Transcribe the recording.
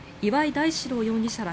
大史朗容疑者ら